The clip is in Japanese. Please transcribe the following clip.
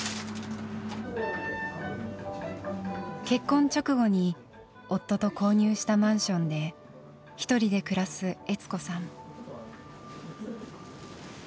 結婚直後に夫と購入したマンションで一人で暮らす悦子さん。